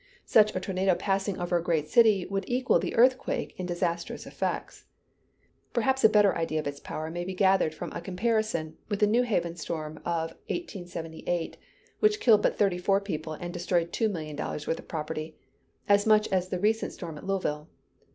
Such a tornado passing over a great city would equal the earthquake in disastrous effects. Perhaps a better idea of its power may be gathered from a comparison with the New Haven storm of 1878, which killed but thirty four people and destroyed $2,000,000 worth of property as much as the recent storm at Louisville.